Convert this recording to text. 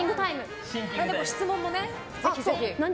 質問もぜひぜひ。